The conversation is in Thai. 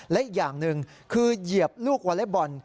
และอีกอย่างหนึ่งคือเหยียบลูกวอเล็กบอล